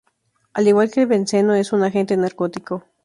Al igual que el benceno, es un agente narcótico.